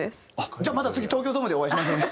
じゃあまた次東京ドームでお会いしましょうね。